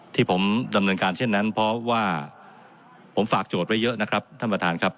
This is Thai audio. ที่ผมดำเนินการเช่นนั้นเพราะว่าผมฝากโจทย์ไว้เยอะนะครับท่านประธานครับ